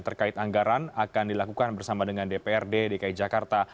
terkait anggaran akan dilakukan bersama dengan dprd dki jakarta kamis bintang dan dki jakarta